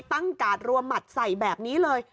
กาดรวมหมัดใส่แบบนี้เลย